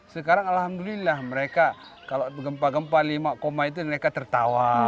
sekarang alhamdulillah mereka kalau gempa gempa lima koma itu mereka tertawa